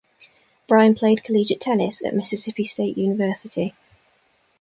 Brien played collegiate tennis at Mississippi State University.